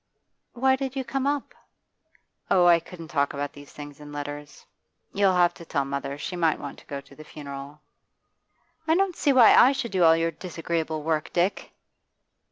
'Why did you come up?' 'Oh, I couldn't talk about these things in letters. You'll have to tell mother; she might want to go to the funeral.' 'I don't see why I should do all your disagreeable work, Dick!